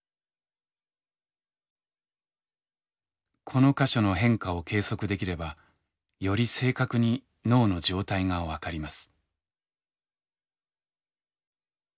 この箇所の変化を計測できればより正確に脳の状態が分かります。